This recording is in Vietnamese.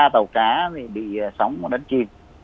ba tàu cá bị sóng và đánh chim